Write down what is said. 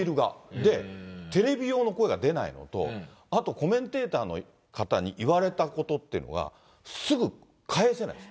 で、テレビ用の声が出ないのと、あとコメンテーターの方に言われたことっていうのが、すぐ返せないです。